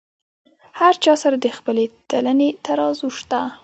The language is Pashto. هر چا سره د خپلې تلنې ترازو شته.